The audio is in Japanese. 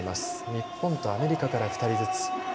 日本とアメリカから２人ずつ。